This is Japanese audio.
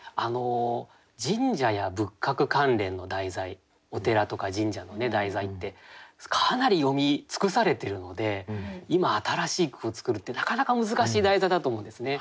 神社や仏閣関連の題材お寺とか神社の題材ってかなり詠み尽くされてるので今新しい句を作るってなかなか難しい題材だと思うんですね。